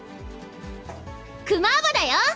クマーバだよ。